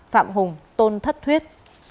phạm hùng tôn thất thuyết